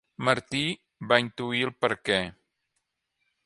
Martí va intuir el perquè.